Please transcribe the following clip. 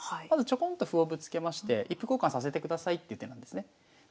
まずちょこんと歩をぶつけまして一歩交換させてくださいっていう手なんですね。